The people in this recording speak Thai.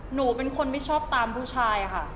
หนูเป็นคนไม่ชอบตามผู้ชายค่ะ